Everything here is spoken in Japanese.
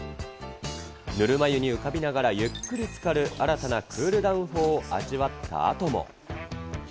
ぬるま湯に浮かびながらゆっくりとつかる新たなクールダウン法を味わったあとも。